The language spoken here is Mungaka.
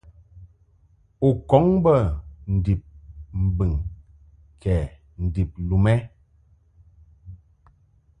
U kɔŋ bə ndib mbɨŋ kɛ ndib lum ɛ?